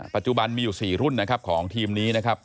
ปัจจุบันมีอยู่๔รุ่นนะครับของทีมนี้นะครับ